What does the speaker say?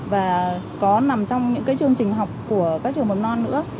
và có nằm trong những chương trình học của các trường mầm non nữa